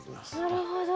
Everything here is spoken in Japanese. なるほど。